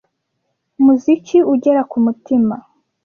muziki ugera kumutima.